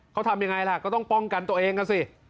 เขาทำยังไงล่ะก็ต้องป้องกันตัวเองกันสิ